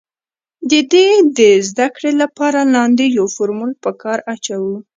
د دې د زده کړې له پاره لاندې يو فورمول په کار اچوو